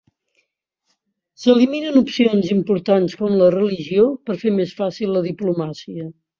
S'eliminen opcions importants com la religió, per fer més fàcil la diplomàcia.